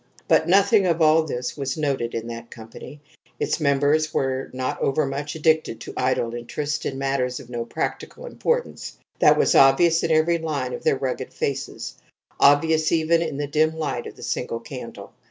But nothing of all this was noted in that company; its members were not overmuch addicted to idle interest in matters of no practical importance; that was obvious in every line of their rugged faces obvious even in the dim light of the single candle.